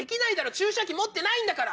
注射器持ってないんだから。